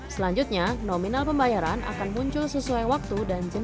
selanjutnya nominal pembayaran akan muncul sesuai waktu dan jemput